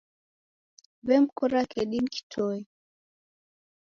Wemkora kedi ni kitoi.